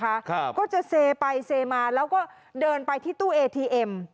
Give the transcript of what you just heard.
ครับก็จะเซไปเซมาแล้วก็เดินไปที่ตู้เอทีเอ็ม